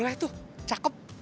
boleh tuh cakep